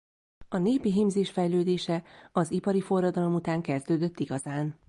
A népi hímzés fejlődése az ipari forradalom után kezdődött igazán.